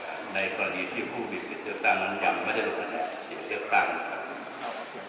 ขี่ผสมปกติเลือกตั้งในกรณีที่ผู้มีสิทธิ์เลือกตั้งมันยังมันได้รบแผนสิทธิ์เลือกตั้งนะครับ